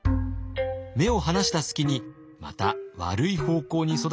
目を離した隙にまた悪い方向に育っては大変。